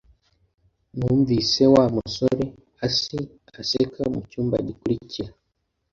Numvise Wa musoreasi aseka mucyumba gikurikira